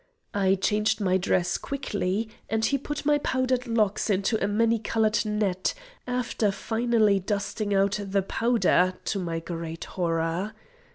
I changed my dress quickly, and he put my powdered locks into a many coloured net, after finally dusting out the powder, to my great horror.